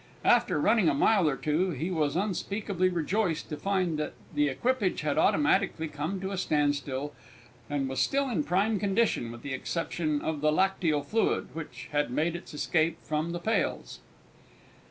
After running a mile or two, he was unspeakably rejoiced to find that the equipage had automatically come to a standstill and was still in prime condition with the exception of the lacteal fluid, which had made its escape from the pails.